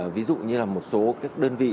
ví dụ như là một số các đơn vị